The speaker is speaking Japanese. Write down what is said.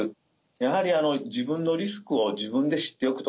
やはり自分のリスクを自分で知っておくと。